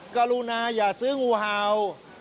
กรุณาอย่าซื้องูเห่า